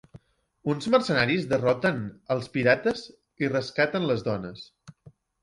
Uns mercenaris derroten els pirates i rescaten les dones.